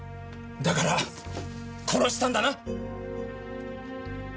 だから殺したんだな？